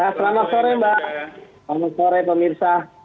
selamat sore mbak selamat sore pemirsa